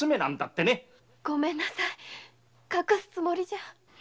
ごめんなさい隠すつもりじゃ。